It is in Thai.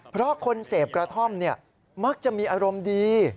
เพราะคนเสพกระท่อมมักจะมีอารมณ์ดี